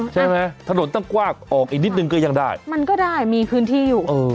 ใช่ไหมถนนต้องกว้างออกอีกนิดนึงก็ยังได้มันก็ได้มีพื้นที่อยู่เออ